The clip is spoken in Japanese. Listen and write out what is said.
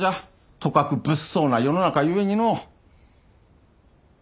とかく物騒な世の中ゆえにのう。